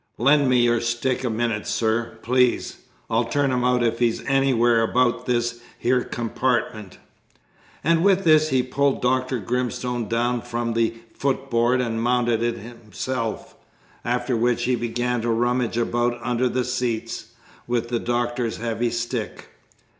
Lend me your stick a minute, sir, please. I'll turn him out if he's anywhere about this here compartment!" And with this he pulled Dr. Grimstone down from the footboard and mounted it himself; after which he began to rummage about under the seats with the Doctor's heavy stick.